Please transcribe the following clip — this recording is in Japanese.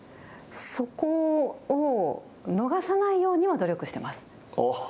そこを逃さないようには努力してます。